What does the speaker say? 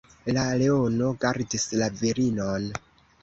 La leono gardis la virinon.